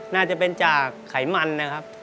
น่าจะเป็นจากไขมันนะครับ